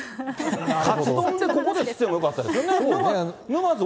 カツ丼で、ここですし食ってもよかったですよね。